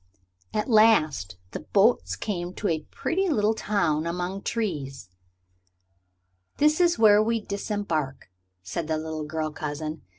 At last the boats came to a pretty little town among trees. "This is where we disembark," said the little girl cousin.